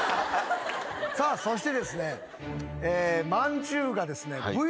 さあそしてですね。